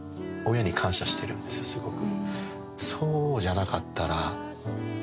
すごく。